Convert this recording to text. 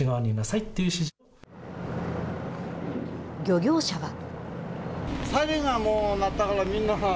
漁業者は。